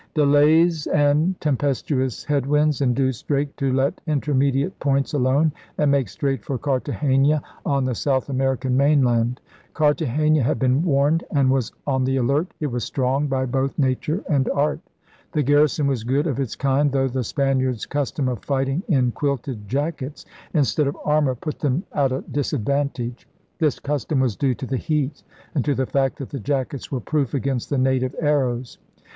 Delays and tempestuous head winds induced Drake to let intermediate points alone and make straight for Cartagena on the South American main land. Cartagena had been warned and was on the alert. It was strong by both nature and art. The garrison was good of its kind, though the Spaniards' custom of fighting in quilted jackets instead of armor put them at a disadvantage. This custom was due to the heat and to the fact that the jackets were proof against the native arrows.